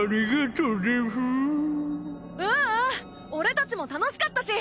ううん俺たちも楽しかったし。